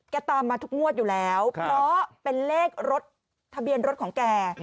ตามมาทุกงวดอยู่แล้วเพราะเป็นเลขรถทะเบียนรถของแก